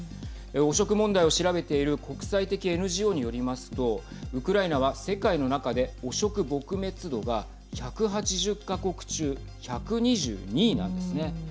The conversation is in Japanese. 汚職問題を調べている国際的ＮＧＯによりますとウクライナは世界の中で汚職撲滅度が１８０か国中１２２位なんですね。